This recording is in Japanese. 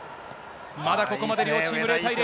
まだここまで両チーム、０対０。